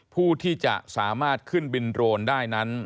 ผู้ที่จะสามารถขึ้นบินโรนได้นั้น